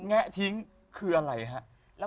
แงะทิ้งคืออะไรฮะ